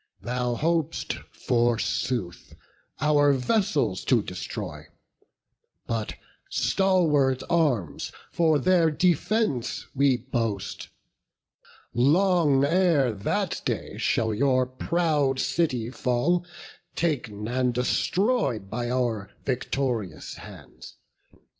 Thou hop'st, forsooth, our vessels to destroy; But stalwart arms for their defence we boast. Long ere that day shall your proud city fall, Tak'n and destroy'd by our victorious hands.